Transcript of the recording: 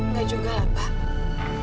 nggak juga lah pak